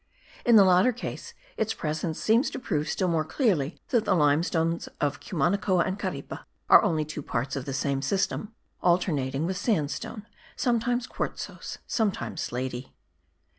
In the latter case its presence seems to prove still more clearly that the limestones of Cumanacoa and Caripe are only two parts of the same system, alternating with sandstone, sometimes quartzose, sometimes slaty.